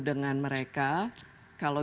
dengan mereka kalau